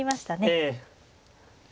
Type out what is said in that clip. ええ。